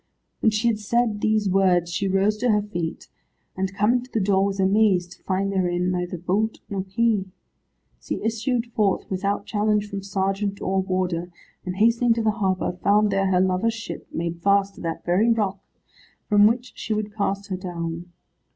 When she had said these words she rose to her feet, and coming to the door was amazed to find therein neither bolt nor key. She issued forth, without challenge from sergeant or warder, and hastening to the harbour, found there her lover's ship, made fast to that very rock, from which she would cast her down.